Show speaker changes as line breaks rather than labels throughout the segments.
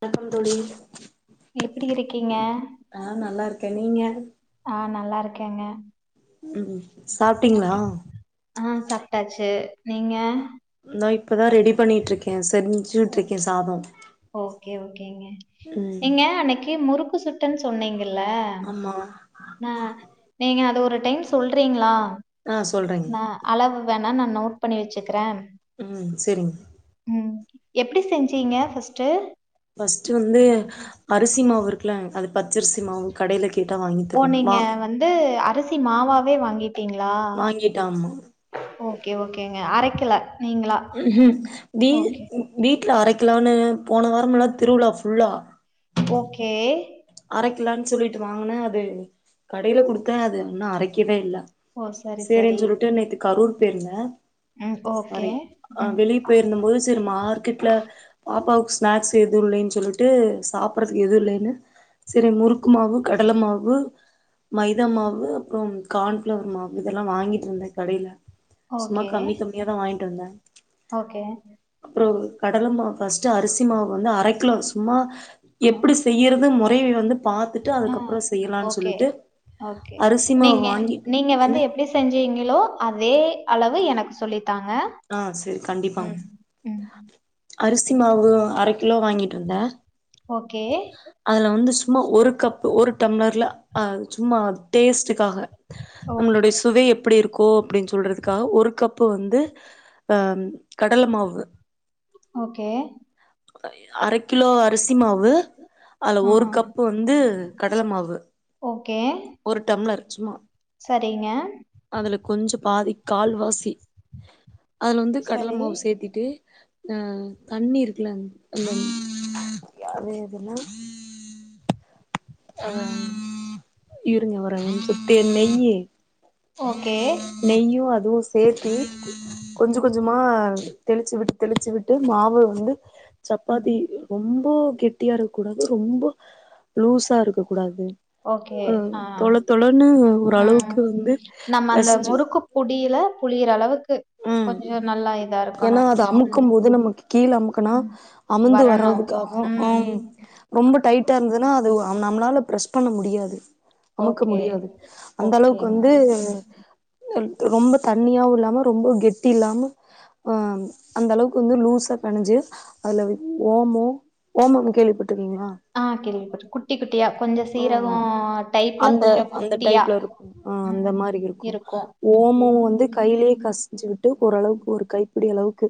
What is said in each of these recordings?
வணக்கம் தோழி
எப்டி இருக்கீங்க?
ஆஹ் நல்லா இருக் கே நீங்க
ஆஹ் நல்லா இருக்கேங்க
உம் சாப்பிட்டீங்களா
ஆஹ் சாப்ட்டாச்சு நீங்க
நா இப்பதா ரெடி பண்ணிட்ருக்கே சி
ஓ ஓகே ஓகேங்க
ம்
நீங்க அன்னைக்கு முறுக் கு சுட்டன் சொன்னீங்க ல்ல
ஆமா
நா நீங்க அது ஒரு ஒரு டைம் சொல்றீங்களா
ஆ சொல்றேங்க
நா அளவு வேண் ணா நா நோட் பண்ணி வெச்சுக்ற
ம் செரிங்
எப்டி செஞ்சீங்க ஃபஸ்ட்டு
ஃபஸ்ட் வந்து அரிசி மாவிருக்ல அது பச்சரிசி மாவு கடைல கே
ஓ நீங்க வந்து அரிசி மாவாவே வாங்கீட்டீங்ளா
வாங்கிட்டாமா
ஓகே ஓகேங்க அர கில
ம் ஹம் வீ வி ட்ல அரைக்கிலான்னு போன வாரம்லா திருவுழா ஃபுல்லா
ஓகே
அரைக்லான் சொல்லிட்டு வாங்குன அது கடைல குடுத்த அது உன்னு அரைக்கவே இல்ல
ஓ சரி சரி.
சேரின் சொல்ட்டு நேத்து கரூர் பேருந்த
ம் ஓகே.
சாரி ஆ
ம்
வெளிய போயிருந்த போது செரி மார்க்கெட்ல பாப்பாவுக் ஸ்நாக்ஸ் எது இல்லன் சொல்லிட்டு சாப்பட்றத எதுவு இல்லன்னு சேரி முறுக்கு மாவு கடல மாவு மைதா மாவு அப்றொம் கான்ஃப்ளவர் மாவு இதெல்லா வாங்கீட்டிருந்த கடைல சும்மா
ஓகே
கம்மி கம்மியாதா வாய்ன்ட்டு வந்த
ஓகே.
அப்றொ கடல மா ஃபஸ்ட்டு அரிசி மாவந்து அரைக்கிலோ சும்மா
ஆ
எப்டி செய்யறது மொ பை வந்து பாத்துட்டு
ஆ.
அதுக்கப்றொ செய்யலான்
ஓகே,
சொல்லீட்டு
ஓகே.
அரிசி மா
நீங்க
வாங்கி
நீங்க
என்ன
வந்து எப்படி செஞ்சீங்களோ, அதே அளவு எனக்கு சொல்லி
ஆ செரி கண்டிப்பா
ம்.
அரிசி மாவு அரக் கிலோ வாங்கீட்டு வந்த
ஓகே,
அதுல வந்து சும்மா ஒரு கப்பு ஒரு டம்ளர்ல அ சும்மா டேஸ்டு க்காஹ
ஓகே,
நம்மளுடை சுவை எப் எப்டி இருக்கோ அப்டின் சொல்றதுக்காஹ ஒரு கப்பு வந்து அம் கடல மாவு
ஓகே
அரைக் கிலோ அரிசி மாவு அல்ல
ஆ,
ஒரு கப்பு வந்து கடல மாவு
ஓகே.
ஒரு டம்ளர் ச்சும்மா
சரிங்க
பாதி கால்வாசி அதுல வந்து கடல
சரி.
மாவு சேத்தீட்டு ஆஹ் தண்ணி இருக் இருங்க யாரு இதுல ஆஹா இருங்க ஒரு நிமிஷம் சுத்தி நெய்
ஓகே.
நெய்யும் அதுவும் சேத்தி கொஞ்சம்
ம்,
கொஞ்சமா தெளிச்சி விட்டு, தெளிச்சி விட்டு மாவு வந்து சப்பாத்தி
ம்.
ரொம்போப் கெட்டியா இருக்க கூடாது, ரொம்ப லூஸா இருக்க கூடாது.
ஓகே
அ
ஆஹ்
தொள தொளன்னு ஒரு
உம்
அளவுக்கு வந்து
நம்ம அந்த
பெசஞ்சு
முறுக்கு புடியில புழியிற அளவுக்கு
உஹ்ம்
கொஞ்சம் நல்லா இதா
ஏன்னா
இருக்கணும்.
அது
ம்,
அமுக்கும் போது நமக்கு கீழ அமுக்கனா
ம்.
அமுந்து
வரணும்.
வர்றதுக்காக,
ம்.
உஹ்ம் ரொம்ப டைட்டா இருந்ததுன்னா அது ஒரு நம்மளால பிரஸ் பண்ண முடியாது. அமுக்க
ஓகே,
முடியாது. அந்த அளவுக்கு
ஓகேங்க.
வந்து ரொம்ப தண்ணியாவும் இல்லாம ரொம்போ கெட்டி இல்லாம ஆஹ் ம் அந்த அளவுக்கு வந்து லூஸா பெணஞ்சி அதுல ஓமம், ஓமம் கேள்விப்பட்
ஆஹ் கேள்விப்பட்ருக்கே. குட்டி குட்டியா கொஞ்சம்
உஹம்
சீரகம் டைப்ல
அந்த
கொஞ்சம்
அந்த
குட்டியா
டைப்ல இருக்கும். ஆஹ் அந்த மாரி இருக்கும். ஓமம் வந்து கையிலேயே பெசஞ்சி விட்டு ஓரளவுக்கு ஒரு கைப்பிடி அளவுக்கு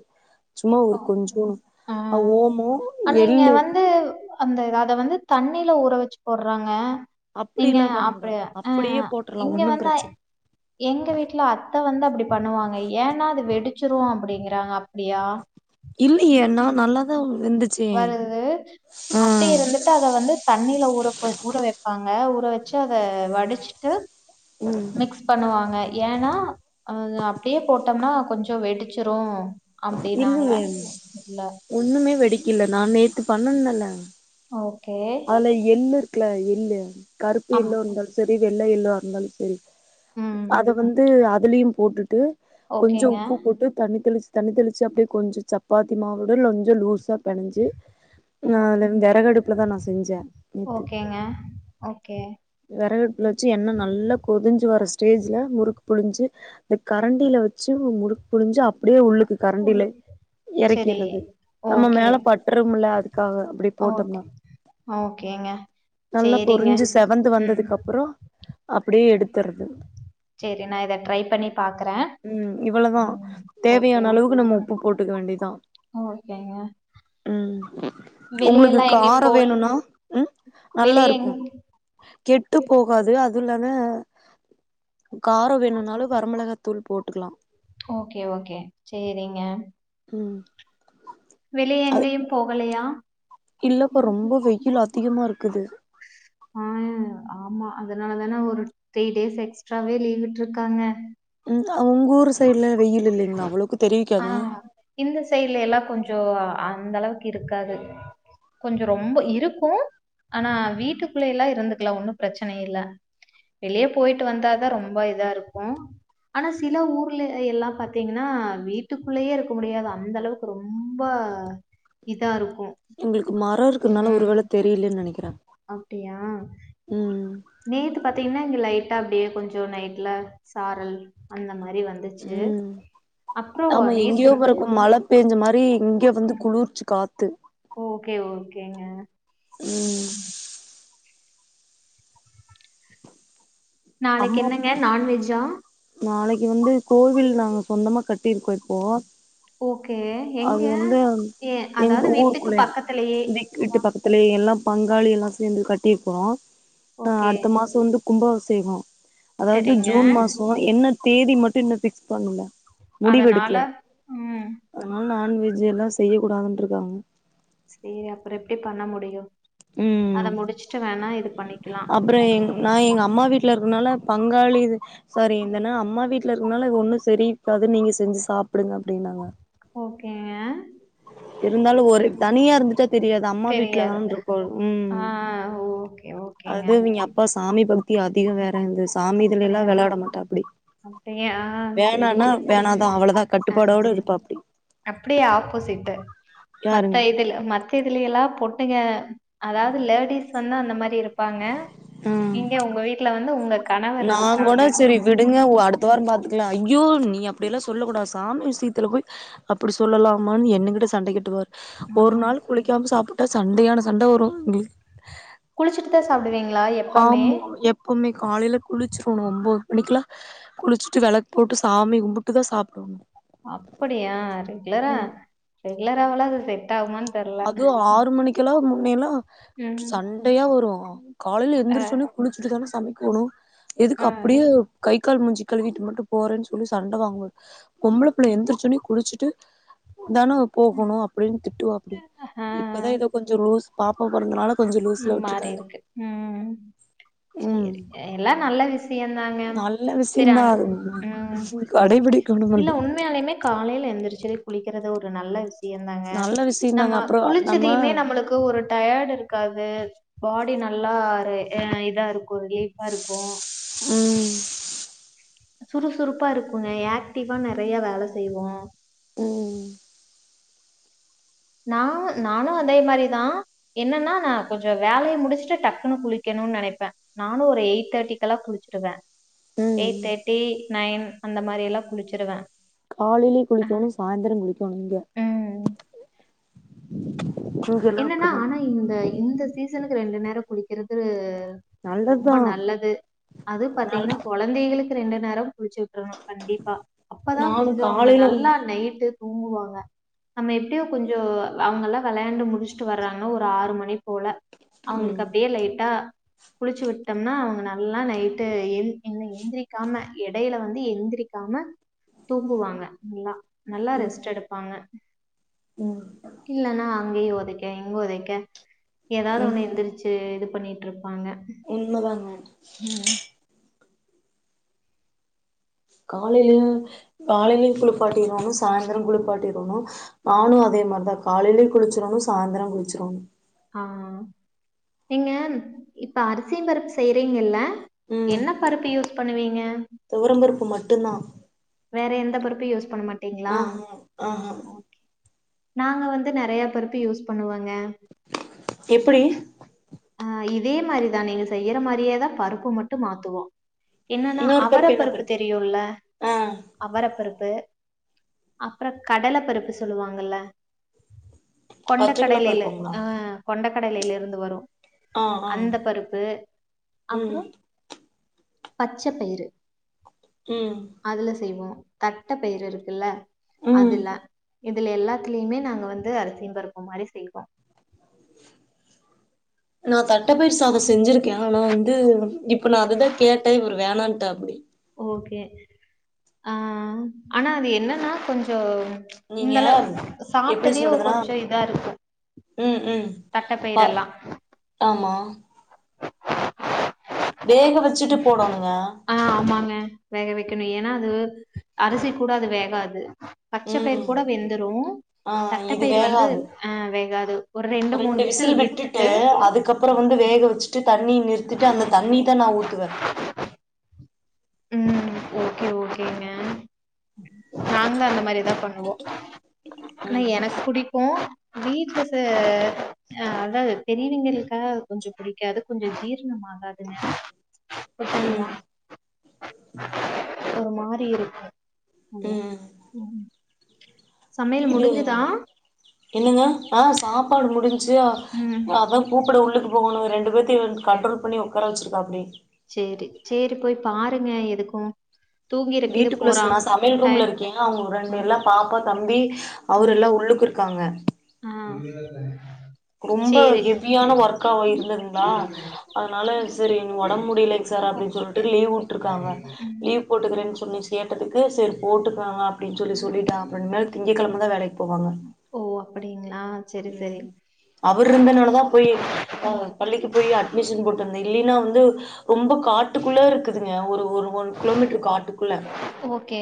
க்கு
ஆஹ்
ஓமோ
ஆனா இங்க
எள்ளு
வந்து அந்த அத வந்து தண் தண்ணியில ஊற வச்சு போட்றாங்க. நீங்க
அப்டிலா
அப்டி
பண்ணக்கூடாது
ஆ ஆ
அப்டியே போட்றலா
இங்க
ஒன்னும்
வந்து
பிரச்சன
எங்க வீட்ல அத்த வந்து அப்டி பண்ணுவாங்க. ஏன்னா அது வெடி வெடுச்சுருவோ அப்டிங்றாங்க. அப்டியா?
இல்லையே நா நல்லாதா வெந்துச்சே
வருது
ஆ
அத்த இருந்துட்டு அத வந்து தண்ணீல ஊறப் ஊற வெப்பாங்க. வெச்சு அத வடிச்சிட்டு
ம்
மிக்ஸ் பண்ணுவாங்க. ஏன்னா அத அப்டியே போட்டோம்னா கொஞ்சோ வெடிச்சுரு அப்டின்னா
இல்லையே, ஒண்ணுமே வெடிக்கல. நா நேத்து பண்ணுனல்ல.
ஓகே
குல எள்ளு கறுப்பு
அம்
எள்ளோ இருந்தாலும் செரி வெள் வெள்ள எள்ளா இருந்தாலு செரி.
ம்
அத வந்து அதுலயு போட்டுட்டு கொஞ்சோ
ஓகேங்க
உப்பு போட்டு தண்ணி தொளிச்சி தண்ணி தொளிச்சி அப்டியே கொஞ்சோ சப்பாத்தி மாவோட இல்ல கொஞ்சோ லூஸாப் பிணஞ்சு
ஓ
ம் துல விறகடுப்புல தா நா செஞ்சே நேத்து
ஓகேங்க ஓகே
விறகடுப்புல வெச்சு எண்ண நல்லா கொதுஞ்சு வர ஸ்டேஜ்ல முருக்கு புழுஞ்சு அத கரண்டில வெச்சு முருக் புழுஞ்சு அப்டியே உள்ளுக் கரண்டில
உள்ள செரி
எறக்கிறது நம்ம
ஓகே
மேல பட்டுறுமுல்லா அதுக்கு காக அப்டி
ஓகே
போட்டோம்னா
ஓகேங்க
நல்லா
சேரிங்க
பொருஞ்சு செவந்து
ம்
வந்ததுக்கப்றோ அப்படியே எடுத்தர்ரது
சேரி நா இத ட்ரை பண்ணி பாக்குறே
உம் இவ்வளதா
ஓகே
தேவையான அளவு
ம்
உப்பு போட்டுக்க வேண்டியதுதா
ஓகேங்க
உ உம் உங்களுக்கு
வெளியெல்லா எங்கயு
காரோ
போல்
வேணுன்னா உஹம் நல்லா
வெளிய
இருக்கு
எங்
கெட்டு போகாது அது இல்லான்ம [inaudible] காரோ வேணுனாலு வரமிளகத் தூள் போட்டுக்கலா
ஓகே ஓகே சேரிங் ஏ
ம்
வெளிய எங்கேயு போகலையா
இல்லப்ப ரொம்ப வெயில் அதிகமா இருக்குத்து
ஆஹ் ஆமா அதனாலதானே ஒரு த்ரீ டேஸ் எக்ஸ்ட்ராவே லீவ்வி்ட்டுருக்காங்க
உங் கூர் சைட்ல வெயிலில்லைங்களா அவ்வளவுக்கு
ஆ
தெரிவிக்காத
அந்தளவுக்கு இருக்காது கொஞ்சோ ரொம்ப இருக்கு ஆனா வீட்டுக்குள்லைலா இருந்துக்குல ஒன்னு ப்ரச்சனை இல்ல வெளிய பொயிட்டு வந்தாாதா ரொம்ப இதா இருக்கு ஆனா சில ஊர்ல் ல்லா பாத்தீங்கன்னா வீட்டுக்குள்ளயே இருக்க முடியாது அந்த அளவுக்கு ரொம்ப இதா இருக்கு
எங்களுக்கு மரோ இருக்கனால ஒரு வேல தெரிலன்னு நினைக்கிறே
அப்டியா நேத்து பாத்தீங்கன்னா இங்க லைட் ட்டா ப்படியே கொஞ்சோ நைட்ல சாரல் அந்த மார்
உம் ஆமா எங்கேயோ
நேத்து
பிறக்கும் மழ பெஞ்ச மாரி ங்க வந்து
ம்
குளிர்ச்சுக்க பாத்து
ஓகே ஓகேங்க
உம் [unintelligible]
நாளைக்கு
அம்மா
என்னங்க நான்வெஜ்ஜா
நாளைக்கு வந்து கோவில் நாங்க சொந்தமா கட் டிரிக்கோ இப்போ
ஓகே
அது
எங்க
வந்து
ஏ
எங்க
அதாவது வீட்டுக்கு
ஊருக்குள்ளயா
பக்கத்துலயே
விக்க வீட்டு பக்கத்துலய எல்லா பங்காளி எல்லா சேர்ந்து கட்டிப்போ ஆஹ்
ஓகே
அடுத்த மாசோ வந்து கும்பகாபி செகோ அதாவ்து
சரிங்க
ஜூன் மாசொ என்ன தேதி மட்டு இன்னு ஃபிக்ஸ் பண்ணல முடிவெடுக்கல
அதனால உம்
அதனால நாண் வெஜு எல்லா செய்ய கூடாதுன்ருக்காங்க
சேரி அப்பறோ எப்டி பண்ண முடியு அத முடிச்சிட்டு வேணா இது பண்ணி
அப்பறோ எங் நா எங்க அம்மா வீட்ல இருக்கனால பங்காளி சாரி இந்தன்னா அம்மா வீட்ல இருக்கத்னால ஒன்னு செரி இக்காது நீங்க செஞ்சு சாப்டுங்க அப்டின்னாங்க
ஓகேங்க
இருந்தாலு ஒரு தனியா இருந்துட்டா தெரியாது அம்மா
தெரியாது
வீட்லதான் இருக்கோ உம்
ஆ ஓகே ஓகேங்க
அது இவிங்க அப்பா சாமி பக்தி அதிகொ வேற இந்த சாமி இதுலேல்லா வெளாட மாட்டாப்புடி
அப்டி ஆஹ் சேரி
வேணாதா அவ்ளதா
அ
கட்டுப்பாடோட இருப்பாப்டி
அப்டி ஆப் போசிட்டு
யாருங்
மத்த இதுல மத் த இதுலேல்லா பொட்டுங்க அதாவ்து லேடீஸ் வந்து அந்த மாரி இருப் பாங்க
ஆ
நீங்க உங்க வீட்ல வந் து உங்க கணவர் இருக்காங்க
க அடுத்த வாரொ பாத்துக்கலா ஐயோ நீ அப்டில்லா சொ சொல்லக் கூடா சாமி விஷயத்துல போய் அப்டி சொல்லலாமான் என்னுக்கிட்ட சண்டை கட்டுவார் ஒரு
ம்
நாள் குளிக்காம சாப் டா சண்டையான சண்ட வரு எங்ளு
குளிச்சுட்டு தா சாப்டுவீங்களா எப்பமே
ஆமா எப்பவுமே காலைல குளிச்சிர்ணு ஒம்போது மணிக்குல்லா குளிச்சிட்டு வெளக்கு போட்டு சாமி கும்புட்டு தா சாப்டணு
அப்புடியா ரெகுலரா லராவுலா அது செட் டாவுமான் தெர்ல
க்கெல்லா முன்னையெல்லா
ம்
சண்டையா வரு அ காலைல
அ
எந்துரிச்சோனே குளிச்சிட்டு தான தமிக்கோணு இதுக்
அ
அப்புடியோ கை கல் மூஞ்சி கழுவிட்டு மட்டு போறேன் சொல்லி சண்ட வாங்வ கொம்ளப் புள்ள எந்துருச்சோனே குளிச்சிட்டு தானு போகோணு அப்புடின் திட்டுவாக்கி
ஆ
இப்பதா எதோ கொஞ்சரோ ஓஸ் பாப்பா பொறந்தனால கொஞ்சம் லூஸ்ல
ம்
விட்டுருக்காரு
மாறிருக்கு ம்ம் ம்
ம்
சேரி எல்லா நல்ல விஷியந்
நல்ல விஷியிந்தா
ம்
அதுவு கடைபிடிக்கிணுமல்ல
செரி குளிக்கிறத ஒரு நல்ல விஸ் தியந்தாங்க
நல்ல விஷயந்தாங்க
நம்ம
அப்புறோ நம்ம
குளிச்சிதியுமே நம்மளுக்கு ஒரு டயட் இருக் து பாடி நல்லா ரே எ இதாருக் கோ ரிலீஃபாருக்கு
ம்
சுறுசுறுப்பா இருக்குங்க யாக்டிவா நெறைய வேல செய்வோ
ம் ம்
நா நாளா அதே மாரிதா என்னன்னா நா கொஞ்சோ வேலய முடுஷ்ட்டு டக்குனு குளிக்கணுன் நெனைப்ப நானு ஒரு எயிட் தேட்டிக்கல்லா குளிச்சிடுவ
ம்
எயிட் தேட்டி நயன் அந்த மாரி எல்லா குளிச்சிருவ
காலைல்யு குளிக்கோணு சாய்ந்துர குளிக்கோண் இங்க இங்கெல்லா
என்னனா
அப்டிதா
ஆனா இந்த இந்த சீசனுக் ரெண்டு நேர் ட குளிக்கிறது ரொம்ப
நல்லதுதா
நல்லது அதுவ்
நல்
பாத்தீங்னா கொழந்தைகளுக் ரெண்டு நேரவ் குளிச்சு விட்ரணு கண்டிப்பா அப்பதா
நானு
கொஞ்சோ அவுங்க
காலையில ம்
நல்லா நைட்டு தூங்குவாங்க நம்ம எப்டியோ கொஞ்சோ அவுங்கல்லா வெளையாண்டு முட் முஷ்ட்டு வர்றாங்க ஒரு ஆறு மணி போல அவுங்ளுக்கு அப்டே லைட்டா குளிச்சு விட்டம்னா அவுங்க நல்லா நைட்டு என் என்ன எந்ரிக்காம எடைல வந்து எந்ரிக்காம தூங்குவாங்க ல்லா நல்லா
ம்
ரெஸ்ட் எடுப்பாங்க
ம்
இல்லனா அங்கயே வொ எங் உதைக்க எதாவது ஒண்ணு
உண்மதா
எந்திரிச்சு இதுப் பண்ணிட்ருப்பாங்க
உண்மதாங்க
உம்
காலையிலயு காலையிலயு குளிப்பாட்டி [unintelligible] சாய்ந்ரோ குளிப்பாட்டிறனு நானு அதே மார்தா காலையிலேயு குளிச்சிரோணு சாய்ந்ரோ குளிச்சிரோணு
ஆ, நீங்க இப்ப அரிசிம் பருப்பு செய்றீங்கல்ல
ம்
என்ன பருப்பு யூஸ் பண்ணுவீங்க
மட்டுதா
வேற எந்த பருப்பையு யூஸ் பண்ண மாட்டீங்களா
ஆஹா ஆஹா
நாங்க வந்து நெறையா பருப்பு யூஸ் பண்ணுவோந்
எப்புடி
ஆ இதே மாரிதா நீங்க செய்யற மாதிரியேதா பருப்பு மட்டு மாத்துவோ என்னன்னா அவர பருப்பு தெரியுல்ல
ஆ
அவர பருப்பு அப்றோ கடல பருப்பு சொல்லுவாங்கல்ல
பச்ச
கொண்டக்கடலைல
கலப்பருப்புங்களா
ஆ கொண்டக்கடலைல இருந்து வரு
ஆ ஆ
அந்த பருப்பு
ம்
அப்றோ பச்ச பயிரு
ம்
அதுல செய்வோ தட்ட பயிரு இருக்குல்ல
ம்
அதுல்ல இதுல எல்லாத்துலயுமே நாங்க வந்து அரிசிம் பருப்பு மாரி செய்வோ
நா தட்டப்பயிர் சாதோ செஞ்சிருக்கே ஆனா வந்து இப் இப்ப நா அதுதா கேட்டே இவரு வோனாட்டப்டி
ஓகே ஆ ஆனா அது என்னன்னா கொஞ்சோ ம்ச்
நீங்க
இந்த அளவு
எப்டி
சாப்ட்டதியு ஒ
சொல்றதுன்னா
கொஞ்சோ இதா இருக்கு
ம் ம் ப
தட்டப்பயிரெல்லா
ஆமா வேக வச்சுட்டு போடணுங்க
ஆ ஆமாங்க வேக வைக்கணு ஏன்னா அது அரிசி கூட அது வேகாது பச்ச பயிர்
ம்
கூட வெந்துரு
ஆ இது
தட்டப்பயிர் வந்து
வேகாது
ஆ வேகாது ஒரு ரெண்டு மூணு விசில் விட்டுட்டு
ட்டு தண்ணி நிறுத்திட்டு அந்த தண்ணிதா நா ஊத்துவே
உம் ஓகே ஓகேங்க நாங்களு அந்த மாரியேதா பண்ணுவோ ஆனா
ம்
எனக்கு பிடிக்கு வீட்லச அ அதாவது பெரியவிங்ளுக்கா கொஞ்சோ பிடிக்காது கொஞ்சோ ஜீர்ணமாகாதுங்க
ம்
[unintelligible] ஒரு மாரி இருக்கு அப்டியா
ம் [unintelligible] என்னங்க ஆஹ் சாப்பாடு முடிஞ் சு
ம்
அவ கூப்பிட உள்ள கூ போணு ரெண்டு பேத் தி வந்து
ஓகே
கண்ட்ரோல் பண்ணி உக்கார வச்சுரு சோ அப்டி
சேரி சேரி போய் பாருங்க எதுக்கு தூங்கிருக்கு இது
வீட்டுக்குள்ள
போறா
ச நா சமையல்
டய
ரூம்ல இருக்கே அவங்க ரெண்டு
ம்
எல்லா பாப்பா தம்பி
ம்
அவருல்லா உள்ளுக்கு இருக்காங்க
ஆ
ரொம்ப
சேரி
ஹெவியான ஒர்க்காவே இருந்துதுங்களா அதனால சரி ஒடம்பு முடியலங் சார் அப்டின்னு சொல்ட்டு
ஓகே
லீவ் வுட்டுருக்காங்க
ம்
லீவ் போட்டுக்றேன்னு சொல்லி கேட்டதுக் கு சரி போட்டுக்கங்க அப்டின்னு சொல்லி சொல்லிட்டாங் அப்பனா திங்க கெழமதா வேலைக்கு போவாங்க
ஓ அப்டிங்களா செரி
ம்
செரி
அவர் இர்ந்தனாலதா போய் அ பள்ளிக்கு போய் அட்மிஷன் போட்டு த இல்லின்னா வந்து ரொம்ப காட்டுக்குள்ள இருக்குதுங்க ஒரு ஒரு ஒன் கிலோமீட்டர் காட்டுக்குள்ள
ஓகே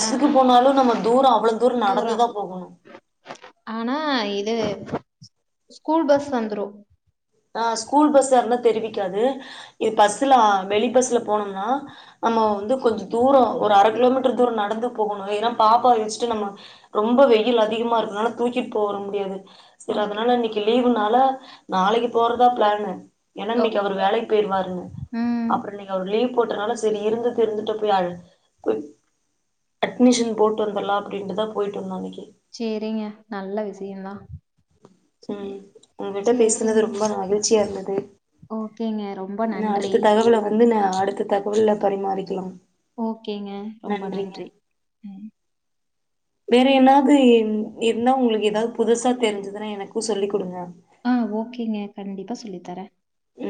ஆ
போனாலு நம்ம தூரொ அவ்லோ தூரொ
தூரோ
நடந்துதா போகணு
ஆனா இது ஸ்கூல் பஸ் வந்துரு
ஆ ஸ்கூல் பஸ்ஸா இருந்தா தெரிவிக்காது இது பஸ்லா வெளி பஸ்ல போனம்னா நம்மொ வந்து கொஞ்ச தூரோ ஒரு அர கிலோமீட்டர் தூரோ நடந்து போகணு ஏன்னா பாப்பா வச்சுட்டு நம்ம ரொம்ப வெயில் அதிகமா இருக்கறனால தூக்கிட்டு போர முடியாது சரி
ஓகே
அதுனால இன்னைக்கு லீவ் னால நாளைக்கு போறதா பிளானு ஏன்னா இன்னைக்கு
ஓகே
அவரு வேலைக்கு போயிருவாருன்
ம்
அப்றோ இன்னைக்கு அவர் லீவ் போட்டனால சரி இருந்தது இருந்துட்டோ போய் அட் போய் அட்மிஷன் போட்டு வந்தர்லா அப்டின்ட்டுதா போய்ட்டு வந்தோ இன்னைக்கு
சேரிங்க நல்ல விஷயந்தா
உம்
சேரி
உங்கள்ட்ட பேசுனது
சேரிங்
ரொம்ப மகிழ்ச்சியா இருந்துது
ஓகேங்க ரொம்ப
நா
நன்றி
அடுத்த தகவல வந்து நா அடுத்த தகவல்ல பரிமாறிக்லா
ஓகேங்க ரொம்ப நன்றி ம்
வேற என்னாவது இன் இருந்தா உங்களுக் எதாவது புதுசா தெரிஞ்சுதுன்னா எனக்கு சொல்லிக் குடுங்க
ஆ ஓகேங்க கண்டிப்பா சொல்லித் தர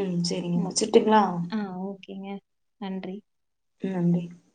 ம் செரிங்க
மேகே
வச்சுட்டுங்களா
ஆ
ம்
ஓகேங்க நன்றி
நன்றி